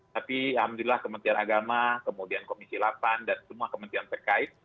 tapi alhamdulillah kementerian agama kemudian komisi delapan dan semua kementerian terkait